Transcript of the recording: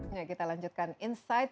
nah kita lanjutkan insight